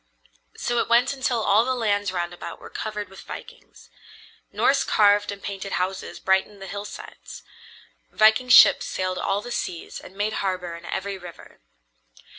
So it went until all the lands round about were covered with vikings. Norse carved and painted houses brightened the hillsides. Viking ships sailed all the seas and made harbor in every river.